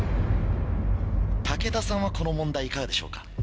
武田さんはこの問題いかがでしょうか？